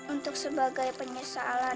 untuk sebagai penyesalan